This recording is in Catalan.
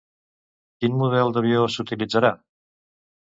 Quin model d'avió s'utilitzarà?